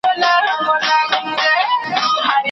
لیک دي راغلی وي کلونه وروسته